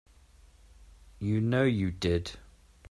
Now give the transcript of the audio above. You know you did.